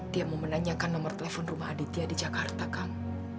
dia mau menanyakan nomor telepon rumah aditya di jakarta kan